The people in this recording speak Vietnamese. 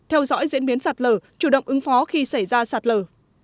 theo dõi diễn biến sạt lở chủ động ứng phó khi xảy ra sạt lở